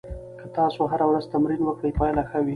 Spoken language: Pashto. که تاسو هره ورځ تمرین وکړئ، پایله ښه وي.